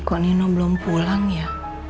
kok nino belum pulang ya